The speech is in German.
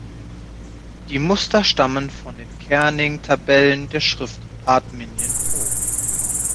Die Muster stammen von den Kerning-Tabellen der Schriftart Minion Pro.